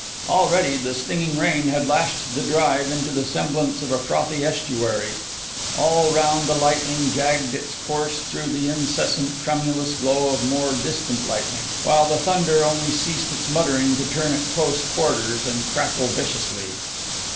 Already the stinging rain had lashed the drive into the semblance of a frothy estuary; all round the lightning jagged its course through the incessant tremulous glow of more distant lightning, while the thunder only ceased its muttering to turn at close quarters and crackle viciously.